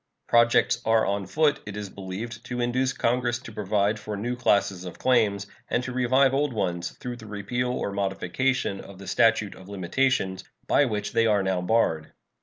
Projects are on foot, it is believed, to induce Congress to provide for new classes of claims, and to revive old ones through the repeal or modification of the statute of limitations, by which they are now barred.